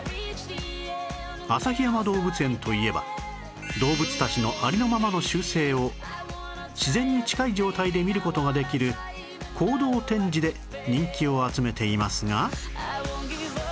旭山動物園といえば動物たちのありのままの習性を自然に近い状態で見る事ができる行動展示で人気を集めていますが